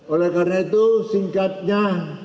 oleh karena itu singkatnya